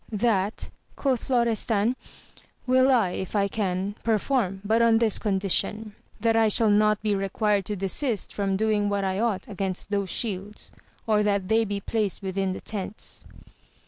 That, quoth Florestan, will I, if I can, perform, but on this condition : that I ^all not be required to desist from doing what I ought against those shields, or that they be placed within the tents.